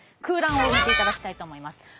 空欄を埋めていただきたいと思います。